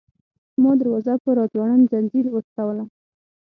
ما دروازه په راځوړند ځنځیر وټکوله.